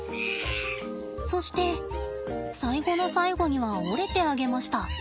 そして最後の最後には折れてあげました。